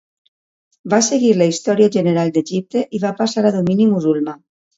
Va seguir la història general d'Egipte i va passar a domini musulmà.